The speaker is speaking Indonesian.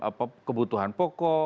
misalnya soal kondisi kebutuhan pokok